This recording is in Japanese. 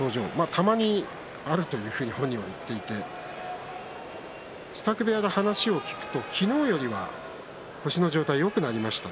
たまにあるというふうに本人は言っていますが支度部屋で話を聞くと昨日よりは腰の状態がよくなりました。